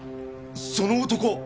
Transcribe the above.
その男！